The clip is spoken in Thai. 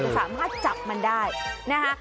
สามารถจับมันได้นะคะ